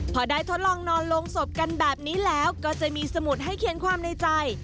พอได้ทดลองนอนลงศพกันแบบนี้แล้วก็จะมีสมุดให้เขียนความในใจ